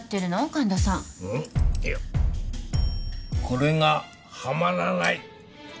これがはまらない。